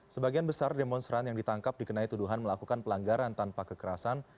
sebagian besar demonstran yang ditangkap dikenai tuduhan melakukan pelanggaran tanpa kekerasan